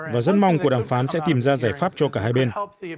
và rất mong cuộc đàm phán sẽ tìm ra giải pháp cho cả hai bên